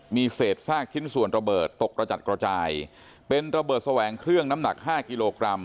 มีเศษซากชิ้นส่วนระเบิดตกกระจัดกระจายเป็นระเบิดแสวงเครื่องน้ำหนักห้ากิโลกรัม